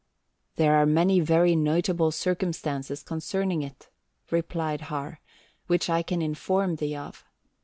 "There are many very notable circumstances concerning it," replied Har, "which I can inform thee of.